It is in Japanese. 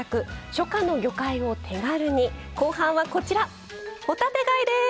初夏の魚介を手軽に後半はこちら帆立て貝です。